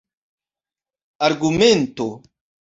argumento